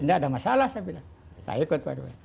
tidak ada masalah saya bilang saya ikut baru